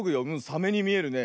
サメにみえるね。